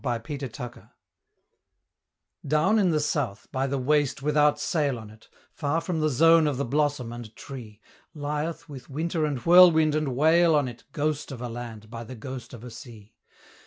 Beyond Kerguelen Down in the South, by the waste without sail on it, Far from the zone of the blossom and tree, Lieth, with winter and whirlwind and wail on it, Ghost of a land by the ghost of a sea.